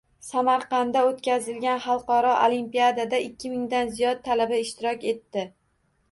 Samarqandda o‘tkazilgan Xalqaro olimpiadada ikki mingdan ziyod talaba ishtirok etdi